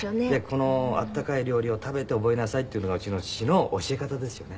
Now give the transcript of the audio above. この温かい料理を食べて覚えなさいっていうのがうちの父の教え方ですよね。